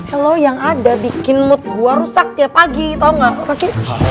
eh lo yang ada bikin mood gue rusak tiap pagi tau gak lepasin